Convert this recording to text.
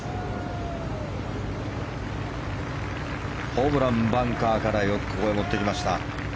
ホブラン、バンカーからよくここへ持ってきました。